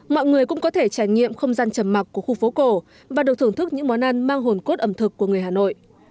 mọi người cũng có thể trải nghiệm không gian trầm mặc của khu phố cổ và được thưởng thức những món ăn mang hồn cốt ẩm thực của người hà nội